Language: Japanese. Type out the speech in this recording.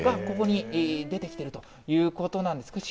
ここに出てきているということなんです。